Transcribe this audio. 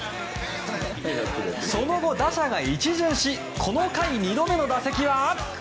その後、打者が一巡しこの回２度目の打席は。